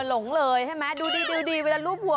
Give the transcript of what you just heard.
หลงเลยใช่ไหมดูดีเวลารูปหัว